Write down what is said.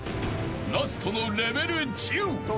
［ラストのレベル１０］